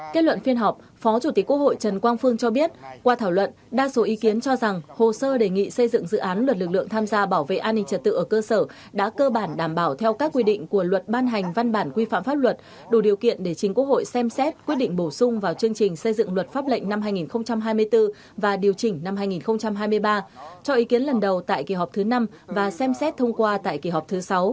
kết luận phiên họp phó chủ tịch quốc hội trần quang phương cho biết qua thảo luận đa số ý kiến cho rằng hồ sơ đề nghị xây dựng dự án luật lực lượng tham gia bảo vệ an ninh trật tự ở cơ sở đã cơ bản đảm bảo theo các quy định của luật ban hành văn bản quy phạm pháp luật đủ điều kiện để chính quốc hội xem xét quyết định bổ sung vào chương trình xây dựng luật pháp lệnh năm hai nghìn hai mươi bốn và điều chỉnh năm hai nghìn hai mươi ba cho ý kiến lần đầu tại kỳ họp thứ năm và xem xét thông qua tại kỳ họp thứ sáu